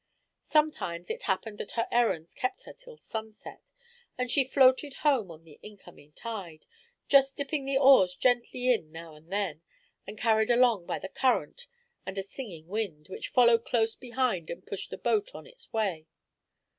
Sometimes it happened that her errands kept her till sunset, and she floated home on the incoming tide, just dipping the oars gently in now and then, and carried along by the current and a "singing" wind, which followed close behind and pushed the boat on its way.